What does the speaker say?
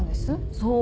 そう。